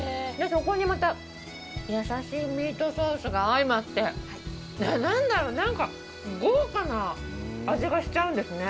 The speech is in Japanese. そこにまた、優しいミートソースが相まって、何だろう、なんか豪華な味がしちゃうんですね。